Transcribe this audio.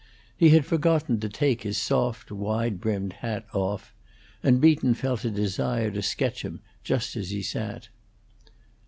He had forgotten to take his soft, wide brimmed hat off; and Beaton felt a desire to sketch him just as he sat.